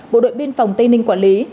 bộ đội biên phòng tây ninh quản lý